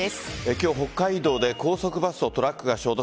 今日、北海道で高速バスとトラックが衝突。